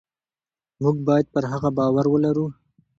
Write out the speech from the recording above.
موږ باید پر هغه باور ولرو.